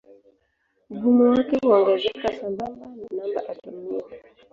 Ugumu wake huongezeka sambamba na namba atomia.